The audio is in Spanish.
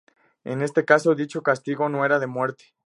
En este caso, dicho castigo no era de muerte.